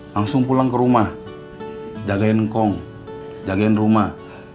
langsung pulang ke rumah jagain kong jagain rumah